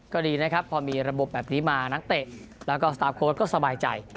ก็ดีนะครับพอมีระบบแบบนี้มานักเตะแล้วก็สตาร์ฟโค้ดก็สบายใจ